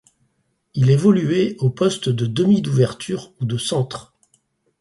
Il évoluait au poste de demi d'ouverture ou de centre.